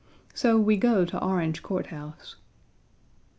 So we go to Orange Court House.